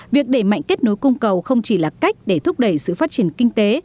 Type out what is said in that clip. việc đẩy mạnh kết nối cung cầu không chỉ là cách để thúc đẩy sự phát triển kinh tế